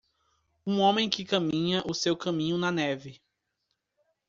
Um homem que caminha o seu caminho na neve.